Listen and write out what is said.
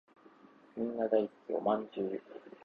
みんな大好きお饅頭